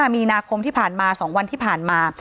มีนาคมที่ผ่านมา๒วันที่ผ่านมา